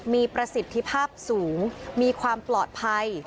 มีประสิทธิภาพสูงมีความปลอดภัย